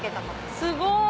すごい。